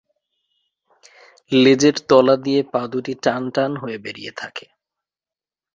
লেজের তলা দিয়ে পা দু'টি টান টান হয়ে বেরিয়ে থাকে।